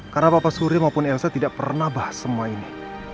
karena papa surya maupun elsa tidak pernah bahas semua ini